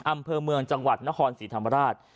อำเภอเมืองจังหวัดนครศรีธรรมราช